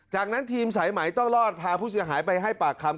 จากนั้นทีมสายไหมต้องรอดพาผู้เสียหายไปให้ปากคำ